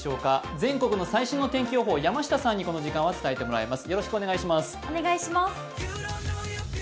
全国の最新の天気予報を山下さんにこの時間は伝えてもらいます。